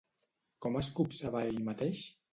Com es copsava a ell mateix?